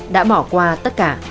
đã bỏ qua tất cả